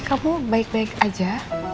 kamu baik baik aja